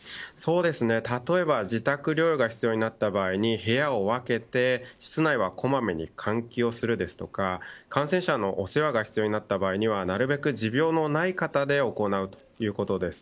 例えば自宅療養が必要になった場合に部屋を分けて室内はこまめに換気をするとか感染者のお世話が必要になった場合にはなるべく持病のない方で行うということです。